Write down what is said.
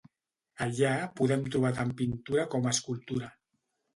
Allà podem trobar tant pintura com escultura.